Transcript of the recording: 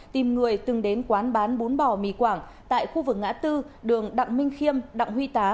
tìm người từng đến quán bán bún bò mì quảng tại khu vực ngã tư đường đặng minh khiêm đặng huy tá